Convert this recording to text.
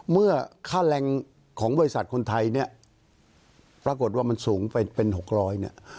เมื่อค่าแรงของบริษัทคนไทยเนี่ยปรากฏว่ามันสูงไปเป็น๖๐๐เนี่ย